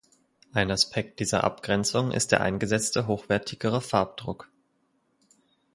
Ein Aspekt dieser Abgrenzung ist der eingesetzte hochwertigere Farbdruck.